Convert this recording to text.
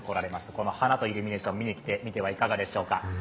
この花とイルミネーション見に来てみてはいかがでしょうか？